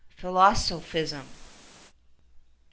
PHiLOSOPHis:\r.